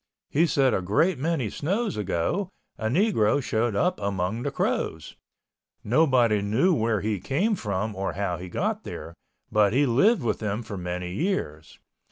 He said a great many snows ago, a Negro showed up among the Crows. Nobody knew where he came from or how he got there, but he lived with them for many years.